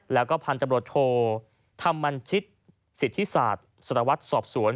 แล้วก็ผ่านจำรวจโทษธรรมชิตสิทธิศาสตร์สรวจสอบสวน